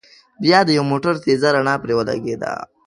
بيا د يوه موټر تېزه رڼا پرې ولګېده.